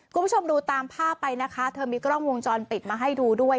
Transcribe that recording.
คุณผู้ชมดูตามภาพไปนะคะเธอมีกล้องวงจรปิดมาให้ดูด้วย